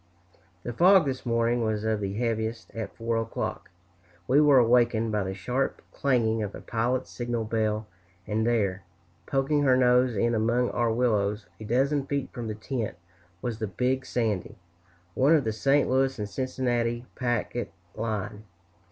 The fog this morning was of the heaviest. At 4 o'clock we were awakened by the sharp clanging of a pilot's signal bell, and there, poking her nose in among our willows, a dozen feet from the tent, was the "Big Sandy," one of the St. Louis & Cincinnati packet line.